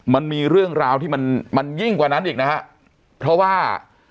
มันมีเรื่องราวที่มันมันยิ่งกว่านั้นอีกนะฮะเพราะว่า